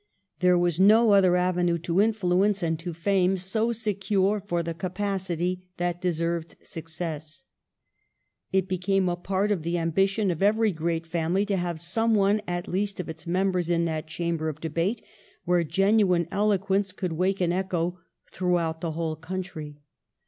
There was no other avenue to influence and to fame so secure for the capacity that deserved success. It became a part of the ambition of every great family to have some one at least of its members in that chamber of debate, where genuine eloquence could wake an echo throughout the whole country.